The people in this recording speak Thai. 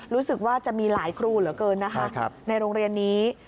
รู้สึกว่าจะมีหลายครูเหลือเกินนะคะในโรงเรียนนี้